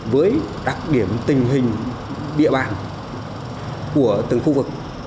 với đặc điểm tình hình địa bàn của từng khu vực